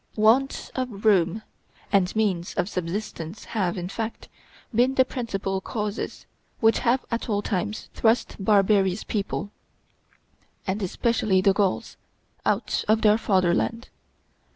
Want of room and means of subsistence have, in fact, been the principal causes which have at all times thrust barbarous people, and especially the Gauls, out of their fatherland.